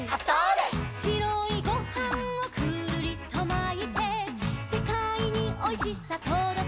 「しろいごはんをくるりとまいて」「せかいにおいしさとどけます」